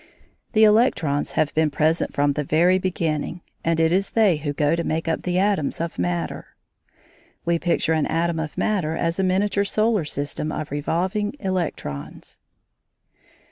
The electrons have been present from the very beginning, and it is they who go to make up the atoms of matter. We picture an atom of matter as a miniature solar system of revolving electrons.